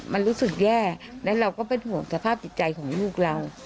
มันรู้สึกแย่และเราก็เป็นห่วงสภาพจิตใจของลูกเรา